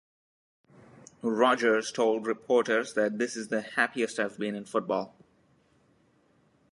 Rodgers told reporters that this is the happiest I've been in football.